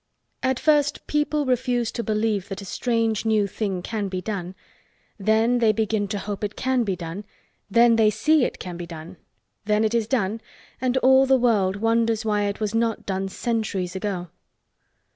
At first people refuse to believe that a strange new thing can be done, then they begin to hope it can be done, then they see it can be done—then it is done and all the world wonders why it was not done centuries ago.